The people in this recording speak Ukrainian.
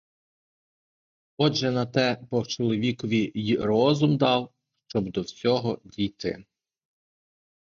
Отже на те бог чоловікові й розум дав, щоб до всього дійти.